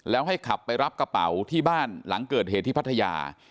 แล้วให้ขับไปรับกระเป๋าที่บ้านหลังเกิดเหตุที่พัทยา